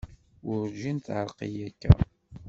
Werǧin teεreq-iyi akka.